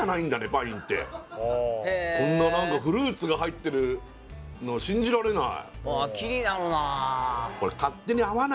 パインってこんな何かフルーツが入ってるの信じられない